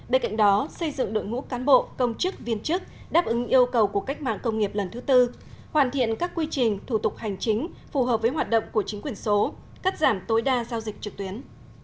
bên cạnh đó xây dựng đội ngũ cán bộ công chức viên chức đáp ứng yêu cầu của cách mạng công nghiệp lần thứ tư hoàn thiện các quy trình thủ tục hành chính phù hợp với hoạt động của chính quyền số cắt giảm tối đa giao dịch trực tuyến